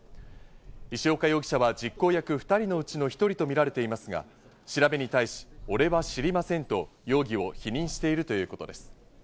石岡容疑者は実行役２人のうちの１人とみられていますが、調べに対し、俺は知りませんと容疑を否認しているということです。